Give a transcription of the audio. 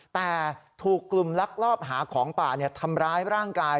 แต่ถูกกลุ่มลักลอบหาของป่าทำร้ายร่างกาย